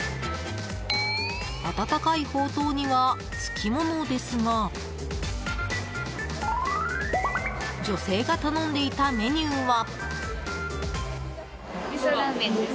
温かいほうとうにはつきものですが女性が頼んでいたメニューは？